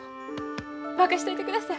任しといてください。